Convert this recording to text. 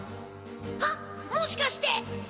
はっもしかして！